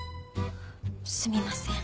すみません。